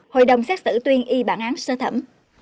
hội đồng xét xử tuyên y bản án sơ thẩm